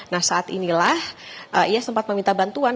nah saat inilah ia sempat meminta bantuan